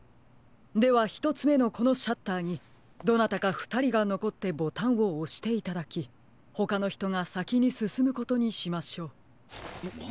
ではひとつめのこのシャッターにどなたかふたりがのこってボタンをおしていただきほかのひとがさきにすすむことにしましょう。